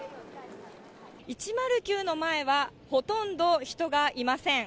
１０９の前はほとんど人がいません。